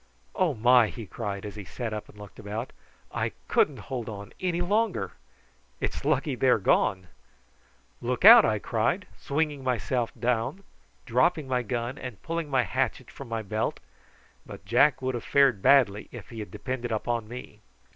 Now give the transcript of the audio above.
"Oh my!" he cried, as he sat up and looked about. "I couldn't hold on any longer. It's lucky they are gone." "Look out!" I cried, swinging myself down, dropping my gun, and pulling my hatchet from my belt; but Jack would have fared badly if he had depended on me.